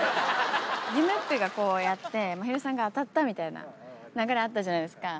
夢っぺがこうやって、まひるさんが当たったみたいな流れあったじゃないですか。